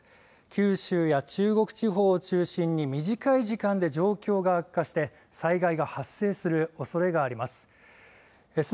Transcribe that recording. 九州や中国地方を中心に短い時間で状況が悪化して災害が発生するおそれがあります。